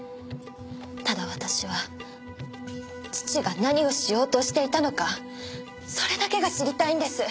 ただ私は父が何をしようとしていたのかそれだけが知りたいんです！